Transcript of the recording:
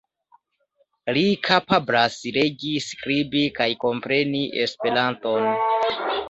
Li kapablas legi, skribi kaj kompreni Esperanton.